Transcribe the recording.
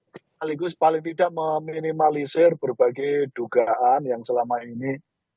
kita harus meminimalisir berbagai dugaan yang selama ini